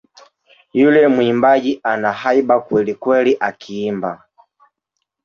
Yule muimbaji ana haiba kwelikweli akiimba